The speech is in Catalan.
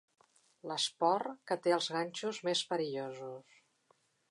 L'esport que té els ganxos més perillosos.